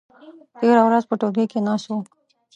تېره ورځ په ټولګي کې ناست وو.